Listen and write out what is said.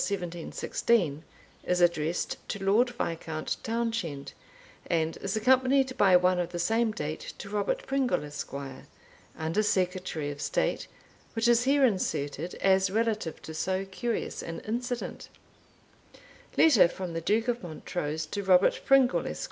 1716 is addressed to Lord Viscount Townshend, and is accompanied by one of the same date to Robert Pringle, Esquire, Under Secretary of State, which is here inserted as relative to so curious an incident: _Letter from the Duke of Montrose, to Robert Pringle, Esq.